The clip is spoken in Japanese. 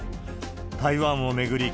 台湾を巡り